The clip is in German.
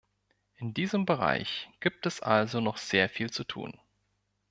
In diesem Bereich gibt es also noch sehr viel zu tun.